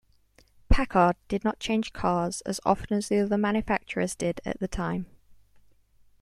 Packard did not change cars as often as other manufacturers did at the time.